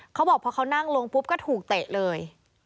เขาบอกพอเขานั่งลงปุ๊บก็ถูกเตะเลย